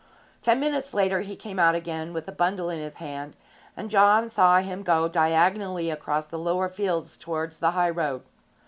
Ten minutes later he came out again with a bundle in his hand, and John saw him go diagonally across the lower fields towards the high road.